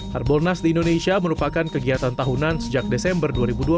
harbolnas di indonesia merupakan kegiatan tahunan sejak desember dua ribu dua puluh